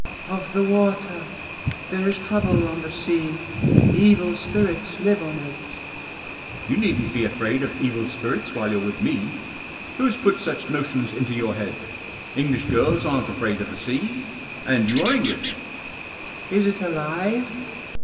" Of the water. There is trouble on the sea. Evil spirits live on it." " You needn't be afraid of evil spirits while you're with me. Who's put such notions into your head? English girls aren't afraid of the sea. And you are English." "Is it alive?"